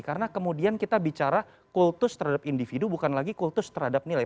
karena kemudian kita bicara kultus terhadap individu bukan lagi kultus terhadap nilai